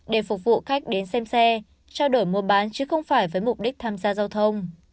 để phục vụ khách đến xem xe trao đổi mua bán chứ không phải với mục đích tham gia giao thông